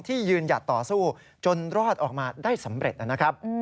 ยืนหยัดต่อสู้จนรอดออกมาได้สำเร็จนะครับ